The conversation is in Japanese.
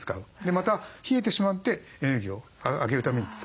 また冷えてしまってエネルギーを上げるために使う。